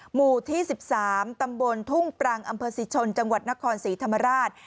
หมู่ที่๑๓ตำบลทุ่งปรังอำเภอศรีชนจังหวัดนครศรีธรรมราช